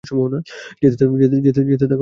যেতে থাক, কীর্তি।